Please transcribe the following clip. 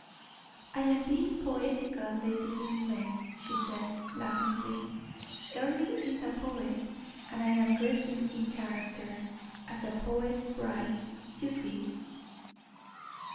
"I am being poetical, Lady Linleigh," she said, laughingly. "Earle is a poet, and I am dressing in character, as a poet's bride, you see."